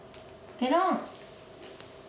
ペロン。